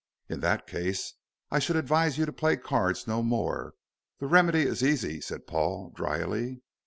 "In that case I should advise you to play cards no more. The remedy is easy," said Paul, dryly.